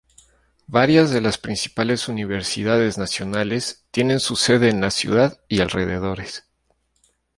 Varias de las principales universidades nacionales tienen su sede en la ciudad y alrededores.